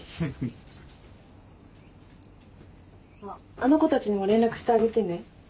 あの子たちにも連絡してあげてね。